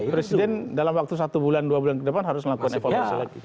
presiden dalam waktu satu bulan dua bulan ke depan harus melakukan evaluasi lagi